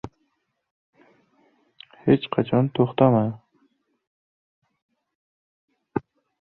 diqqatingizni sarflab pul topish haqida yaxshi bilim olsangiz